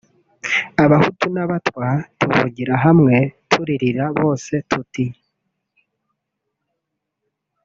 Abahutu n’Abatwa tuvugira hamwe turirira bose tuti